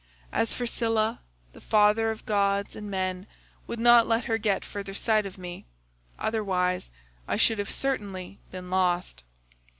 As for Scylla, the father of gods and men would not let her get further sight of me—otherwise I should have certainly been lost.